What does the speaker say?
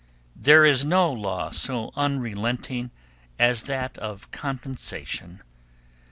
There is no law so unrelenting as that of compensation.